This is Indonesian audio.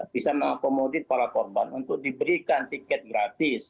bisa mengakomodir para korban untuk diberikan tiket gratis